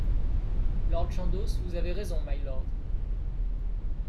Lord Chandos Vous avez raison, mylord.